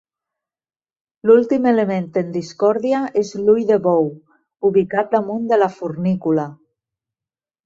L'últim element en discòrdia és l'ull de bou, ubicat damunt de la fornícula.